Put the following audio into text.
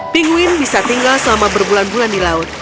pinguin bisa tinggal selama berbulan bulan di laut